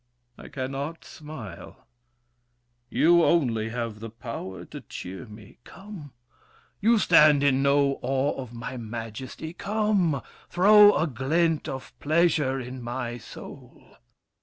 I cannot smile. You, only, have the power to cheer me. Come! You stand in no awe of my majesty. Come, throw a glint of pleasure in my soul.